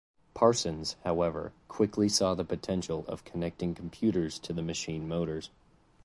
Parsons, however, quickly saw the potential of connecting computers to the machine motors.